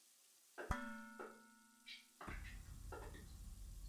The Furubira River provides irrigation for the production of rice, potatoes, and soy beans.